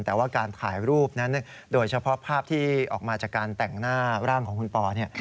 แต่ว่าการถ่ายรูปนั้นโดยเฉพาะภาพที่ออกมาจากการแต่งหน้าร่างของคุณปอเนี่ย